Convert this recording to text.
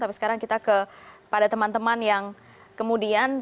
tapi sekarang kita ke pada teman teman yang kemudian